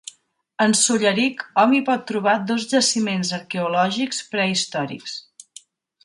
En Solleric hom hi pot trobar dos jaciments arqueològics prehistòrics.